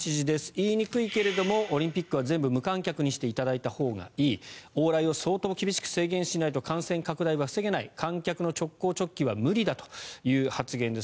言いにくいけれどもオリンピックは全部無観客にしていただいたほうがいい往来を相当厳しく制限しないと感染拡大は防げない観客の直行直帰は無理だという発言です。